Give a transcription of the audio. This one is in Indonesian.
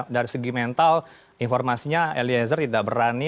dari segi mental informasinya eliezer tidak berani